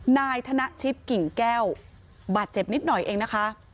นายธนชิตกกิ่งแก้วบาดเจ็บนิดหน่อยเองนะคะ